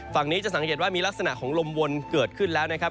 ฝั่งนี้จะสังเกตว่ามีลักษณะของลมวนเกิดขึ้นแล้วนะครับ